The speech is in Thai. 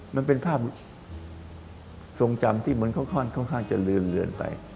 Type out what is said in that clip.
มันเป็นภาพทรงจำที่มันค่อนข้างจะลืนเหลือนไป